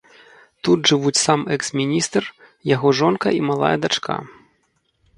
Тут жывуць сам экс-міністр, яго жонка і малая дачка.